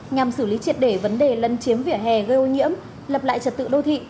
nhằm xử lý triệt để vấn đề lân chiếm vỉa hè gây ô nhiễm lập lại trật tự đô thị